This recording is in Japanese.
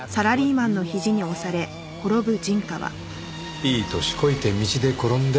いい歳こいて道で転んで。